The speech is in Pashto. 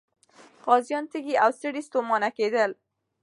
غازيان تږي او ستړي ستومانه کېدل.